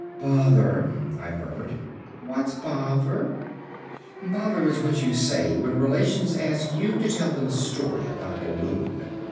"Bother," I murmured. "What's bovver?" "Bother is what you say when relations ask you to tell them a story about a balloon.